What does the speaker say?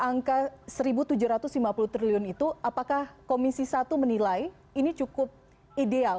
angka rp satu tujuh ratus lima puluh triliun itu apakah komisi satu menilai ini cukup ideal